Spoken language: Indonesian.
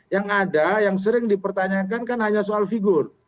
yang ada yang sering dipertanyakan kan hanya soal figur